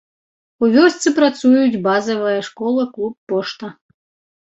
У вёсцы працуюць базавая школа, клуб, пошта.